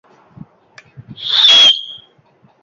এরা আমেরিকান যমজ মডেল, অভিনেত্রী ও পেশাদার কুস্তিগীর।